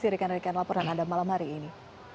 dari knl peranada malam hari ini